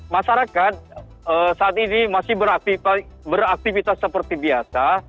masyarakat saat ini masih beraktivitas seperti biasa